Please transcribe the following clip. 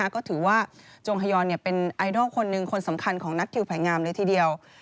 ก็ถือว่าจงฮยอนเป็นไอดอลคนหนึ่งคนสำคัญของนัททิวไผ่งามเลยทีเดียว